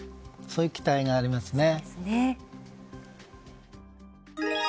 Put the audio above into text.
そういう期待がありますね。